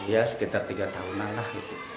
ya sekitar tiga tahun lah